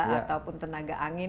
ataupun tenaga angin